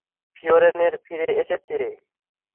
ফিওরনের ফিরে এসেছে।